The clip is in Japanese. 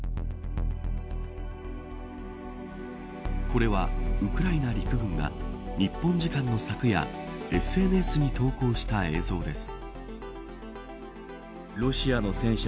これは、ウクライナ陸軍が日本時間の昨夜ＳＮＳに投稿した映像です。